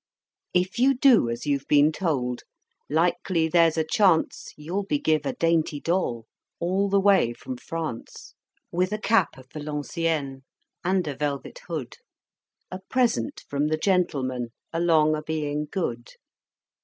If you do as you've been told, 'likely there's a chance, You'll be given a dainty doll, all the way from France, With a cap of Valenciennes, and a velvet hood, A present from the Gentlemen, along o' being good!